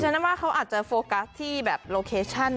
นั่นว่าเขาอาจจะโฟกัสที่แบบโลเคชั่น